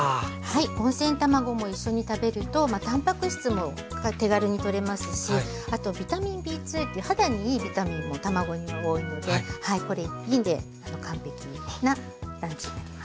温泉卵も一緒に食べるとたんぱく質も手軽にとれますしあとビタミンＢ２という肌にいいビタミンも卵には多いのでこれ一品で完璧なランチになります。